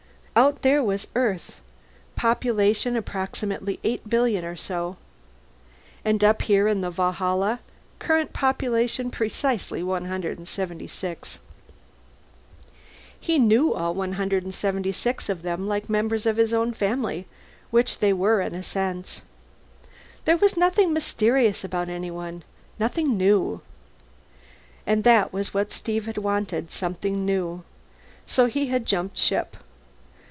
_ Out there was Earth, population approximately eight billion or so. And up here is the Valhalla, current population precisely 176. He knew all 176 of them like members of his own family which they were, in a sense. There was nothing mysterious about anyone, nothing new. And that was what Steve had wanted: something new. So he had jumped ship.